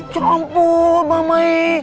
ya ampun mamai